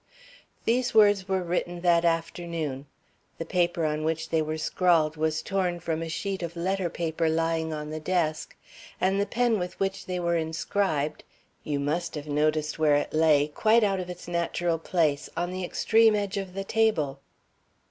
"These words were written that afternoon. The paper on which they were scrawled was torn from a sheet of letter paper lying on the desk, and the pen with which they were inscribed you must have noticed where it lay, quite out of its natural place on the extreme edge of the table."